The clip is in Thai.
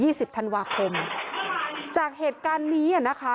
สิบธันวาคมจากเหตุการณ์นี้อ่ะนะคะ